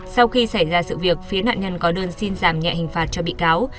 sau khi xảy ra sự việc phía nạn nhân có đơn xin giảm nhẹ hình phạt cho bị cáo